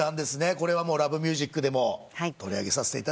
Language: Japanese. これは『Ｌｏｖｅｍｕｓｉｃ』でも取り上げさせていただきました。